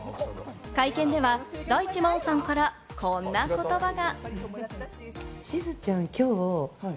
会見では大地真央さんからこんな言葉が。